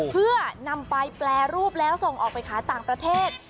เพื่อนำไปแปรรูปแล้วส่งออกไปขายต่างประเทศ